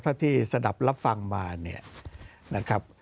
ถ้าที่สนับรับฟังมาเนี่ยนะครับ